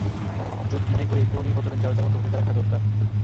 জোট মনে করে, পৌর নির্বাচনে যার যার মতো ভূমিকা রাখা দরকার।